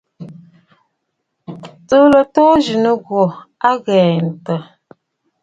Tsùu ló too ŋkì ɨ kwo a aghəŋə̀.